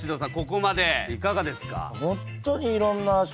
ここまでいかがですか？